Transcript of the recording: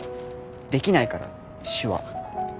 できないから手話。